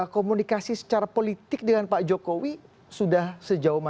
komunikasi secara politik dengan pak jokowi sudah sejauh mana